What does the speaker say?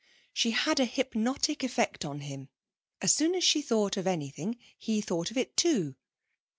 She had a hypnotic effect on him; as soon as she thought of anything he thought of it too.